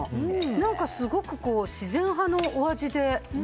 何かすごく自然派のお味で。